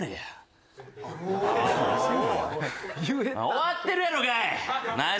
終わってるやろがい！